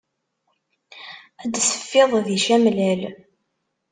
Ad d-teffiḍ di camlal.